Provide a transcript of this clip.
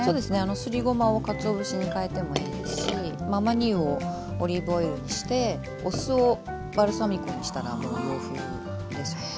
すりごまをかつお節に替えてもいいですし亜麻仁油をオリーブオイルにしてお酢をバルサミコにしたら洋風ですよね。